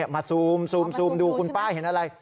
ซูมดูคุณป้าเห็นอะไร